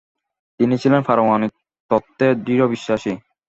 তিনি ছিলেন পারমাণবিক তত্ত্বে দৃঢ় বিশ্বাসী।